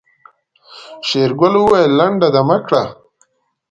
شېرګل وويل لنډه دمه کړه.